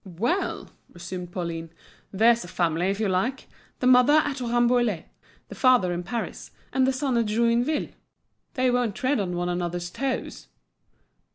"Well!" resumed Pauline, "there's a family, if you like! the mother at Rambouillet, the father in Paris; and the son at Joinville; they won't tread on one another's toes!"